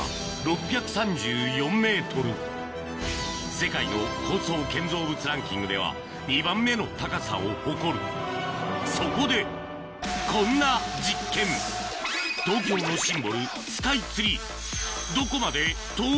世界の高層建造物ランキングでは２番目の高さを誇るそこでこんな実験東京のシンボル